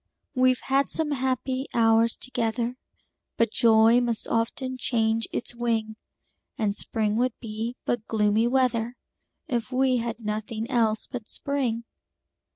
We've had some happy hours together, But joy must often change its wing; And spring would be but gloomy weather, If we had nothing else but spring.